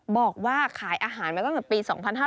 บอกว่าขายอาหารมาตั้งแต่ปี๒๕๕๙